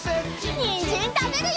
にんじんたべるよ！